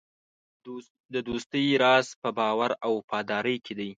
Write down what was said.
د دوستۍ راز په باور او وفادارۍ کې دی.